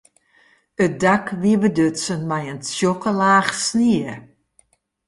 It dak wie bedutsen mei in tsjokke laach snie.